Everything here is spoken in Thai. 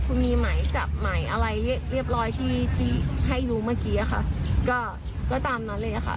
คุณมีหมายจับใหม่อะไรเรียบร้อยที่ที่ให้รู้เมื่อกี้อะค่ะก็ก็ตามนั้นเลยค่ะ